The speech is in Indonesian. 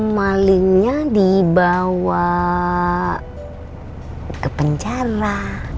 malingnya dibawa ke penjara